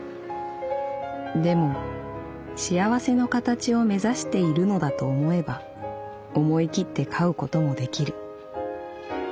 「でも『幸せ』の形を目指しているのだと思えば思い切って飼うこともできる。